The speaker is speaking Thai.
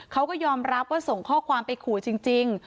เขาก็ยอมรับว่าส่งข้อความไปขู่จริง